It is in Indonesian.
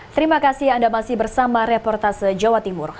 terima kasih anda masih bersama reportase jawa timur